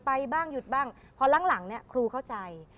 ไปบ้างหยุดบ้างพอหลังเนี่ยครูเข้าใจ